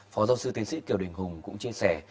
phó giáo sư tiến sĩ kiều đình hùng cũng chia sẻ